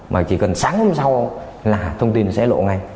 mà chỉ cần sáng hôm sau là thông tin sẽ lộ ngay